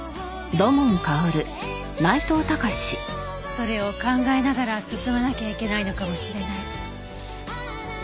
それを考えながら進まなきゃいけないのかもしれない。